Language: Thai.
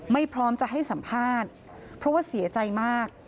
พร้อมจะให้สัมภาษณ์เพราะว่าเสียใจมาก